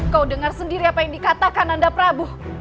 kau dengar sendiri apa yang dikatakan anda prabu